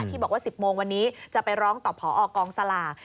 ที่บอกว่า๑๐โมงวันนี้จะไปร้องต่อผอกองสลาก